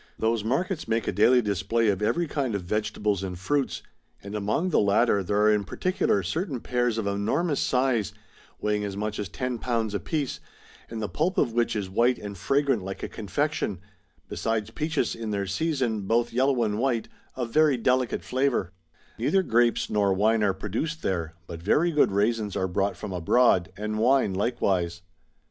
"^ Those markets make a daily display of every kind of vegetables and fruits ; and among the latter there are in particular certain pears of enormous size, weighing as much as ten pounds apiece, and the pulp of which is white and fragrant like a confection ; besides peaches in their season, both yellow and white, of very delicate flavour,' Neither grapes nor wine are produced there, but very good raisins are brought from abroad, and wine likewise.